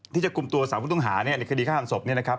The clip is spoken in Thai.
ที่จะคุมตัวสารผู้ต้องหาในคดีค้าทางศพ